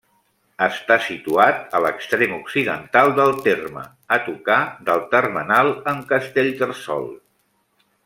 Està situat a l'extrem occidental del terme, a tocar del termenal amb Castellterçol.